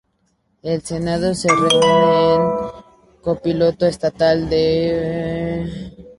El Senado se reúne en el Capitolio Estatal de Utah en Salt Lake City.